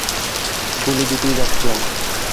গুলি দিতেই যাচ্ছিলাম।